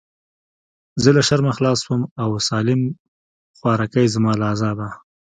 زه له شرمه خلاص سوم او سالم خواركى زما له عذابه.